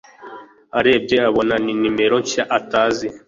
arebye abona ni nimero nshya atazi